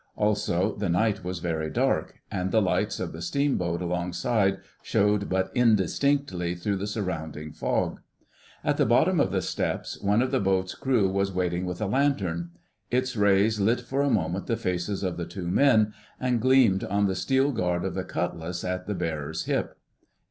Also the night was very dark, and the lights of the steamboat alongside showed but indistinctly through the surrounding fog. At the bottom of the steps one of the boat's crew was waiting with a lantern. Its rays lit for a minute the faces of the two men, and gleamed on the steel guard of the cutlass at the bearer's hip.